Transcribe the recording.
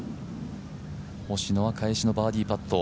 星野は返しのバーディーパット。